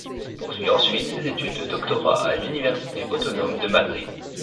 Il poursuit ensuite ses études de doctorat à l'Université autonome de Madrid.